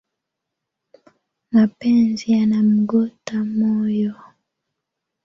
Mapenzi yanamgota moyo